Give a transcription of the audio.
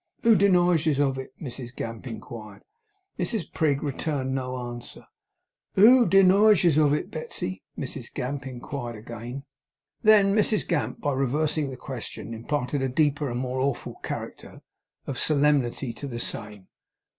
'Who deniges of it?' Mrs Gamp inquired. Mrs Prig returned no answer. 'WHO deniges of it, Betsey?' Mrs Gamp inquired again. Then Mrs Gamp, by reversing the question, imparted a deeper and more awful character of solemnity to the same.